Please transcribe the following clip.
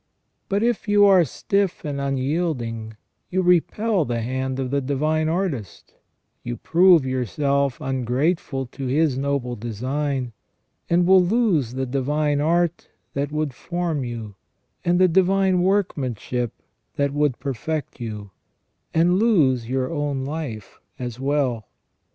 But if you are stiff and unyielding, you repel the hand of the Divine Artist, you prove yourself ungrateful to His noble design, and will lose the divine art that would form you, and the divine workmanship that would perfect you, and lose your own life as well.